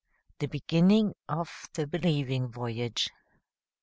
THE BEGINNING OF THE BELIEVING VOYAGE.